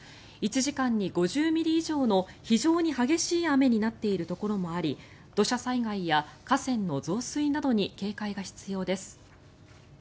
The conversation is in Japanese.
１時間に５０ミリ以上の非常に激しい雨になっているところもあり土砂災害や河川の増水などに警戒が必要です。